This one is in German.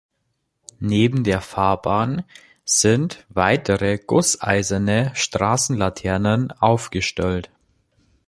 Neben der Fahrbahn sind weitere gusseiserne Straßenlaternen aufgestellt.